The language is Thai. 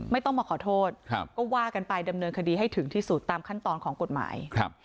ไม่ต้องมาขอโทษครับก็ว่ากันไปดำเนินคดีให้ถึงที่สุดตามขั้นตอนของกฎหมายครับ